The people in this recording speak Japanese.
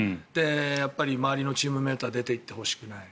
やっぱり周りのチームメートは出ていってほしくない